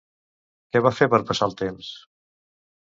Què va fer per passar el temps?